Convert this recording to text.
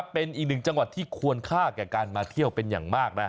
เป็นอีกหนึ่งจังหวัดที่ควรค่าแก่การมาเที่ยวเป็นอย่างมากนะ